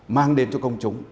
mang đến cho công chúng